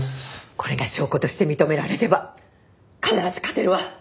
これが証拠として認められれば必ず勝てるわ！